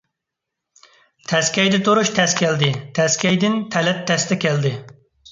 تەسكەيدە تۇرۇش تەس كەلدى، تەسكەيدىن تەلەت تەستە كەلدى.